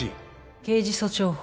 刑事訴訟法